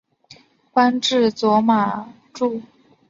官至左马助。